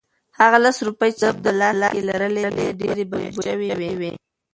هغه لس روپۍ چې ده په لاس کې لرلې ډېرې بدبویه شوې وې.